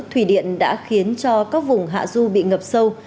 thủy điện đã khiến cho các vùng hạ du bị ngập sâu